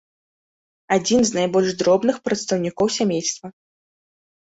Адзін з найбольш дробных прадстаўнікоў сямейства.